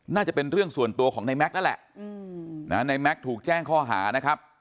น่าจะเป็นเรื่องส่วนตัวของในแม็กซ์นั่นแหละในแม็กซ์ถูกแจ้งข้อหานะครับ